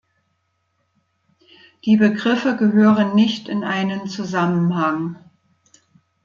Die Begriffe gehören nicht in einen Zusammenhang.